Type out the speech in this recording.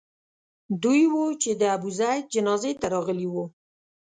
دوی وو چې د ابوزید جنازې ته راغلي وو.